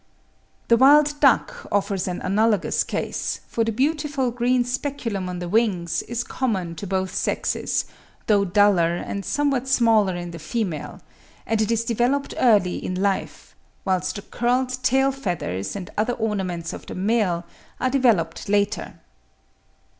The wild duck offers an analogous case, for the beautiful green speculum on the wings is common to both sexes, though duller and somewhat smaller in the female, and it is developed early in life, whilst the curled tail feathers and other ornaments of the male are developed later.